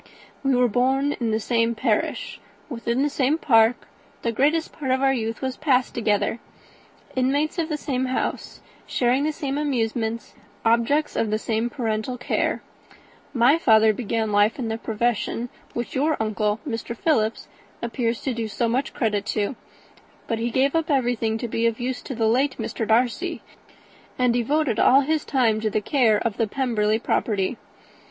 "We were born in the same parish, within the same park; the greatest part of our youth was passed together: inmates of the same house, sharing the same amusements, objects of the same parental care. My father began life in the profession which your uncle, Mr. Philips, appears to do so much credit to; but he gave up everything to be of use to the late Mr. Darcy, and devoted all his time to the care of the Pemberley property.